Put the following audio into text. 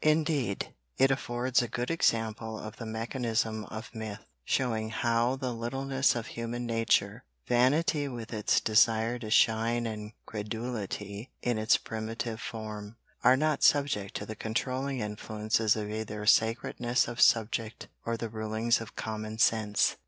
Indeed it affords a good example of the mechanism of myth, showing how the littleness of human nature vanity with its desire to shine and credulity in its primitive form, are not subject to the controlling influences of either sacredness of subject or the rulings of common sense.